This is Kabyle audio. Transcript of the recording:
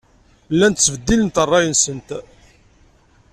Llant ttbeddilent ṛṛay-nsent.